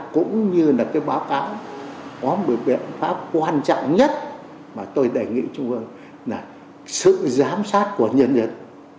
cũng như là cái báo cáo có một biện pháp quan trọng nhất mà tôi đề nghị trung ương là sự giám sát của nhân dân